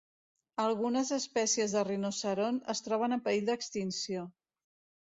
Algunes espècies de rinoceront es troben en perill d'extinció.